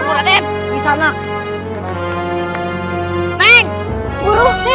tidak ada tunggu adem di sana